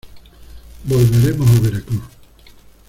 volveremos a Veracruz.